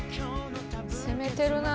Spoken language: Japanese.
攻めてるな。